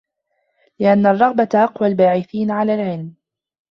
لِأَنَّ الرَّغْبَةَ أَقْوَى الْبَاعِثَيْنِ عَلَى الْعِلْمِ